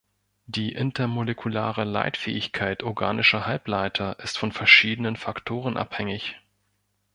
Die intermolekulare Leitfähigkeit organischer Halbleiter ist von verschiedenen Faktoren abhängig.